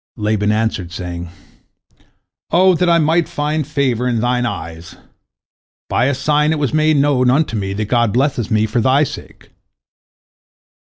" Laban answered, saying, "O that I might find favor in thine eyes! By a sign it was made known unto me that God blesseth me for thy sake."